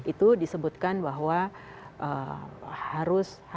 itu disebutkan bahwa harus